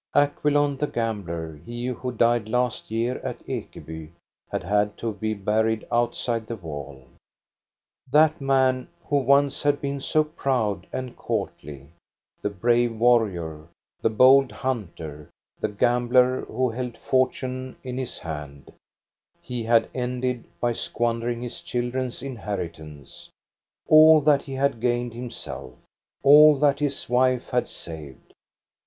Acquilon, the gambler, he who died last year at Ekeby, had had to be buried outside the wall. That man, who once had been so proud and courtly, the brave warrior, the bold hunter, the gambler who held fortune in his hand, he had ended by squandering his children's inheritance, all that he had gained himself, all that his wife had saved.